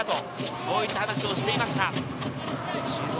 そういった話をしていました。